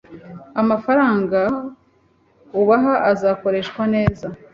Amafaranga ubaha azakoreshwa neza